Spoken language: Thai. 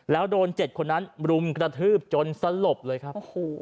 แล้วโดน๗คนนั้นรุมกระทืบจนสลบเลยครับ